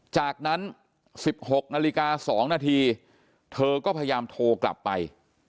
จากนั้น๑๖นาฬิกา๒นาทีเธอก็พยายามโทรกลับไป